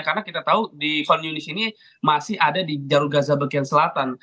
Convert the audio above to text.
karena kita tahu di han yunis ini masih ada di jaruh gaza bagian selatan